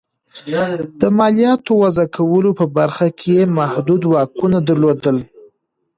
د مالیاتو وضعه کولو په برخو کې محدود واکونه درلودل.